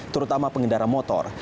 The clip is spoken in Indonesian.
terutama pengendara motor